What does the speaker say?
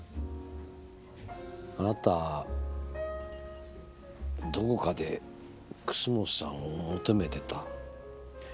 あなたどこかで楠本さんを求めてた。